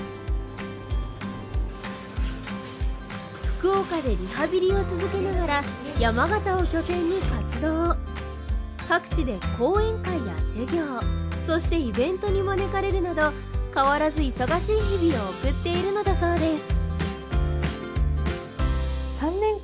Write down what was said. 福岡でリハビリを続けながら山形を拠点に活動各地で講演会や授業そしてイベントに招かれるなど変わらず忙しい日々を送っているのだそうです